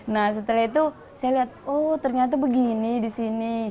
nah setelah itu saya lihat oh ternyata begini di sini